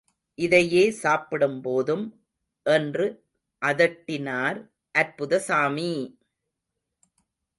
இதையே சாப்பிடுபோதும் என்று அதட்டினார் அற்புதசாமி!